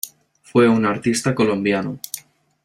Fue un artista colombiano.